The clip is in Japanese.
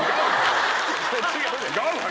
違うわよ！